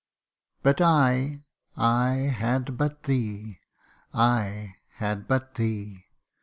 But I I had but thee ! I had but thee